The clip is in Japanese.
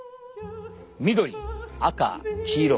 緑赤黄色。